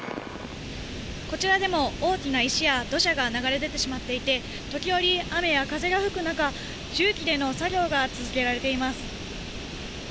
こちらでも大きな石や土砂が流れ出てしまっていて、時折、雨や風が吹く中、重機での作業が続けられています。